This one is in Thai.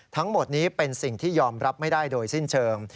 ทั้งหมดนี้เป็นสิ่งที่ยอมรับไม่ได้โดยสิ้นเชิง